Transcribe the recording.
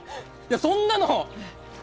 そんなの！